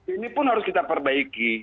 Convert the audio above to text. ini pun harus kita perbaiki